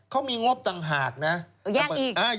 เขามีงบต่างหากนะ